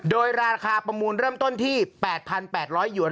โดยราคาประมูลเริ่มต้นที่๘๘๐๐หยวน